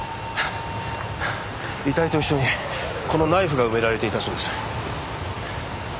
遺体と一緒にこのナイフが埋められていたそうです。